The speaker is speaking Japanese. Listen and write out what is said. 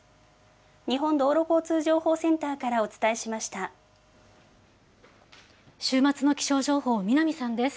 日本道路交通情報センターからお週末の気象情報、南さんです。